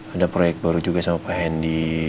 ada proyek baru juga sama pak hendy